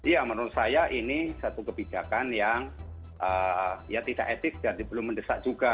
ya menurut saya ini satu kebijakan yang ya tidak etik jadi belum mendesak juga